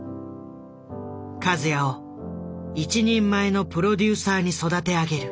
和也を一人前のプロデューサーに育て上げる。